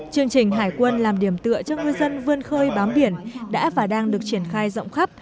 chương trình hải quân làm điểm tựa cho ngư dân vươn khơi bám biển đã và đang được triển khai rộng khắp